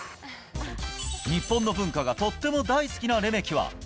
日本の文化がとっても大好きなレメキは。